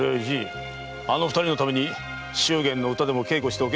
あの二人のために祝言の唄でも稽古しておけ。